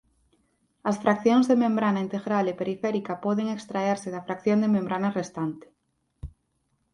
As fraccións de membrana integral e periférica poden extraerse da fracción de membrana restante.